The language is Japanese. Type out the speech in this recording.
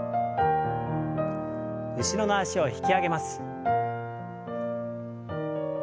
後ろの脚を引き上げます。